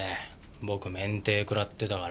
僕免停くらってたから。